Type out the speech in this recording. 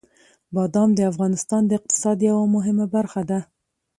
بادام د افغانستان د اقتصاد یوه مهمه برخه ده.